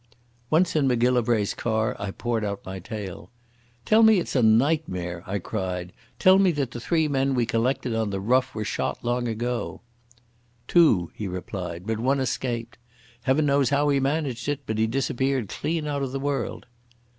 Once in Macgillivray's car, I poured out my tale. "Tell me it's a nightmare," I cried. "Tell me that the three men we collected on the Ruff were shot long ago." "Two," he replied, "but one escaped. Heaven knows how he managed it, but he disappeared clean out of the world."